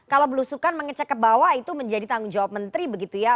kalau belusukan mengecek ke bawah itu menjadi tanggung jawab menteri begitu ya